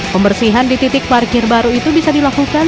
pembersihan di titik parkir baru itu bisa dilakukan